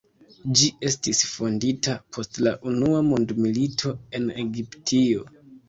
Ĝi estis fondita post la unua mondmilito en Egiptio.